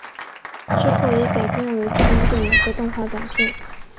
之后也改编为真人电影和动画短片。